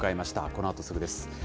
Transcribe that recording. このあとすぐです。